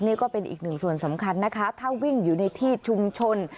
นี่ก็เป็นอีกหนึ่งส่วนสำคัญนะคะถ้าวิ่งอยู่ในที่ชุมชน